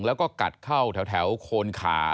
แล้วก็กัดเข้าแถวโคนขา